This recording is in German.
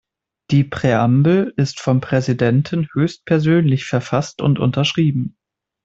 Die Präambel ist vom Präsidenten höchstpersönlich verfasst und unterschrieben.